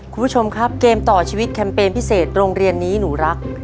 คุณผู้ชมครับเกมต่อชีวิตแคมเปญพิเศษโรงเรียนนี้หนูรัก